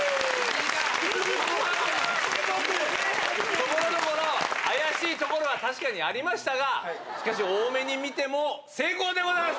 ところどころ怪しいところは確かにありましたが、しかし、大目に見ても成功でございます！